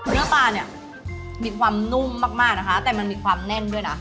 เนื้อปลาเนี่ยมีความนุ่มมากนะคะแต่มันมีความแน่นด้วยนะ